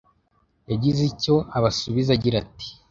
yagize icyo abasubiza agira ati